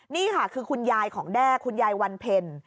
นี่ค่ะคือคุณยายของแด้คุณยายวันเพ็ญ